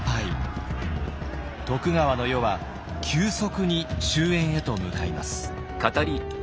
徳川の世は急速に終焉へと向かいます。